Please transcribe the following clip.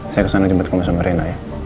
saya kesana jemput kamu sama reina ya